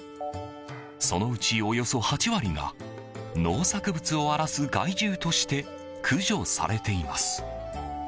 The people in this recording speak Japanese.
そのうち、およそ８割が農作物を荒らす害獣として駆除されています。